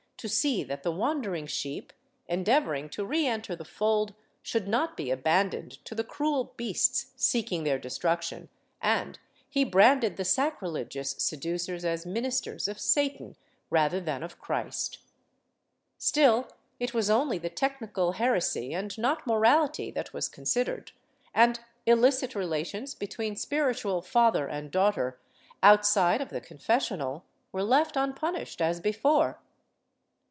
5. ^ Bullar. Roman. T. VI, Append, p. 1. Chap. VI] ABSOLUTION OF ACCOMPLICE 113 to the cruel beasts seeking their destruction, and he branded the sacrilegious seducers as ministers of Satan, rather than of Christ/ Still, it was only the technical heresy and not morality that was considered, and illicit relations between spiritual father and daughter, outside of the confessional, were left unpunished as before.